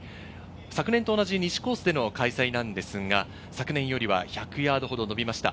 昨年と同じ西コースでの開催なんですが、昨年よりは１００ヤードほど伸びました。